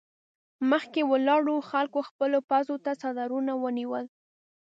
مخکې ولاړو خلکو خپلو پزو ته څادرونه ونيول.